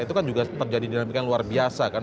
itu kan juga terjadi dinamika yang luar biasa kan